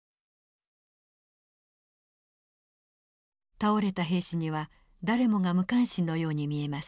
倒れた兵士には誰もが無関心のように見えます。